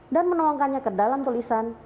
dan menuangkannya ke dalam tulisan